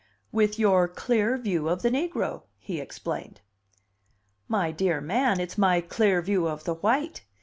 "With your clear view of the negro," he explained. "My dear man, it's my clear view of the white!